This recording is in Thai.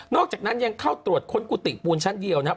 อกจากนั้นยังเข้าตรวจค้นกุฏิปูนชั้นเดียวนะครับ